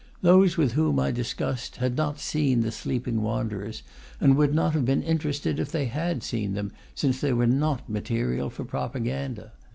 Those with whom I discussed had not seen the sleeping wanderers, and would not have been interested if they had seen them, since they were not material for propaganda.